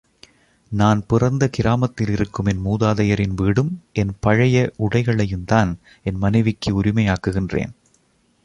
நான் பிறந்த கிராமத்திலிருக்கும் என் மூதாதையரின் வீடும், என் பழைய உடைகளையுந்தான் என் மனைவிக்கு உரிமையாக்குகின்றேன்.